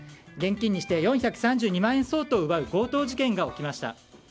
現金にして４３２万円相当を奪う強盗事件が起きました。